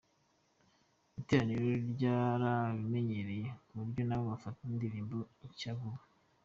Iteraniro ryarabimenyereye kuburyo nabo bafata indirimbo nshya vuba.